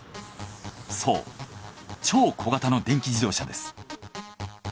そう超小型の電気自動車です。